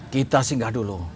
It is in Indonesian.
kita singgah dulu